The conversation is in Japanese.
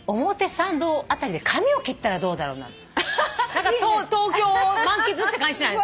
何か東京を満喫って感じしない？